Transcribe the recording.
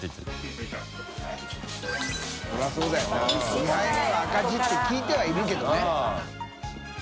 ２杯目は赤字って聞いてはいるけどね。